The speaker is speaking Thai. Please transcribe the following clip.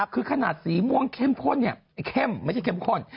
คือขนาดสีม่วงเข้มข้นไม่ใช่เข้มข้น